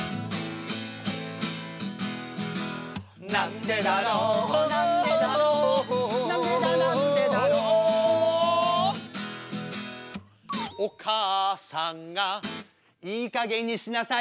なんでだろうなんでだろうなんでだなんでだろうお母さんがいいかげんにしなさいよ！